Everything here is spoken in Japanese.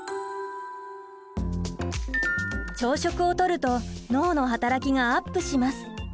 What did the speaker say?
朝食をとると脳の働きがアップします。